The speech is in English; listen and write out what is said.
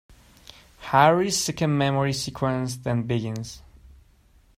Harry's second memory sequence then begins.